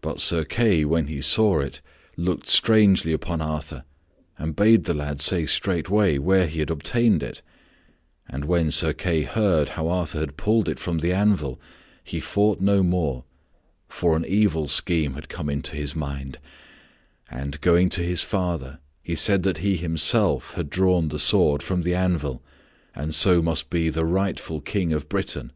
But Sir Kay when he saw it looked strangely upon Arthur and bade the lad say straightway where he had obtained it; and when Sir Kay heard how Arthur had pulled it from the anvil he fought no more, for an evil scheme had come into his mind, and going to his father, he said that he himself had drawn the sword from the anvil and so must be the rightful King of Britain.